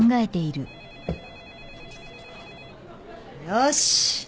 よし。